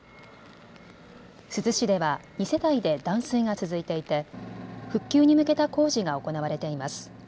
珠洲市では２世帯で断水が続いていて、復旧に向けた工事が行われています。